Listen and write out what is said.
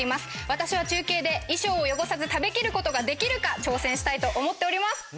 私は中継で衣装を汚さず食べきることができるか挑戦したいと思っております！